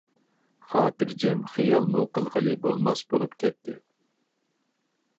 خاتىرجەم خىيالمۇ قىلغىلى بولماس بولۇپ كەتتى.